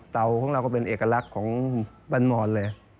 ของเราก็เป็นเอกลักษณ์ของบ้านมอนเลย